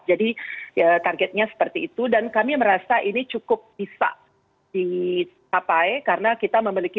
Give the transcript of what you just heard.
jadi targetnya seperti itu dan kami merasa ini cukup bisa disapai karena kita memiliki